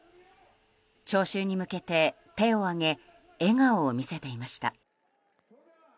聴衆に向けて手を挙げ笑顔を見せていました。